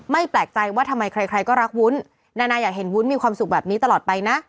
แปลกใจว่าทำไมใครก็รักวุ้นนานาอยากเห็นวุ้นมีความสุขแบบนี้ตลอดไปนะ